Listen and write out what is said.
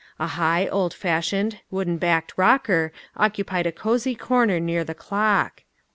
A high, old fashioned, wooden backed rocker occupied a cosey corner near the clock.